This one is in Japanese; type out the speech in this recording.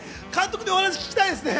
監督にお話、聞きたいですね。